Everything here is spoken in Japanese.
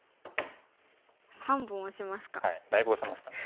３本オシますか。